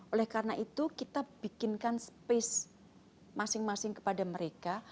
oleh karena itu kita bikinkan space masing masing kepada mereka